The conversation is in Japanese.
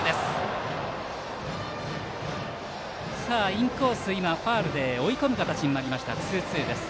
インコース、ファウルで追い込む形になりましたツーツーです。